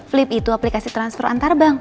flip itu aplikasi transfer antar bank